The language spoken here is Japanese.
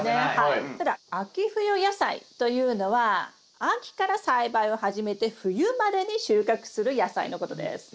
ただ秋冬野菜というのは秋から栽培を始めて冬までに収穫する野菜のことです。